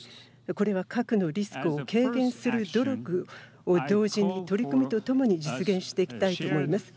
これは核のリスクを軽減する努力を取り組むとともに実現していきたいと思います。